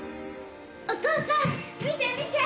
お父さん見て見て！